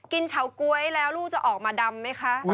เฉาก๊วยแล้วลูกจะออกมาดำไหมคะ